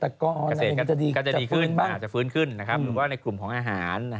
เกษตรกรก็จะดีขึ้นอาจจะฟื้นขึ้นนะครับหรือว่าในกลุ่มของอาหาร